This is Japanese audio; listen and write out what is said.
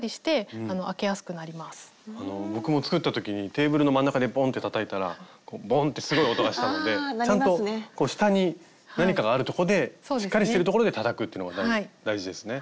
僕も作った時にテーブルの真ん中でポンッてたたいたらボンッてすごい音がしたのでちゃんとこう下に何かがあるとこでしっかりしてるところでたたくっていうのが大事ですね。